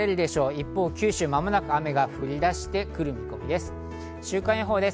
一方、九州は間もなく雨が降り出してくる見込みです。